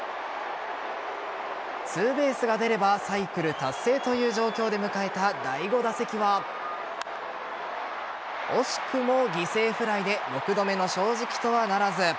ツーベースが出ればサイクル達成という状況で迎えた第５打席は惜しくも犠牲フライで６度目の正直とはならず。